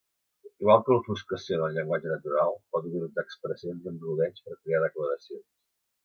Igual que l'ofuscació en el llenguatge natural, pot utilitzar expressions amb rodeigs per crear declaracions.